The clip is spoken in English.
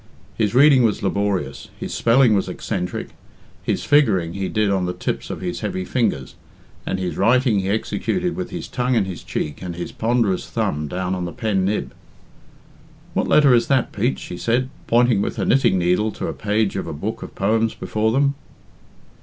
His reading was laborious, his spelling was eccentric, his figuring he did on the tips of his heavy fingers, and his writing he executed with his tongue in his cheek and his ponderous thumb down on the pen nib. "What letter is that, Pete?" she said, pointing with her knitting needle to the page of a book of poems before them.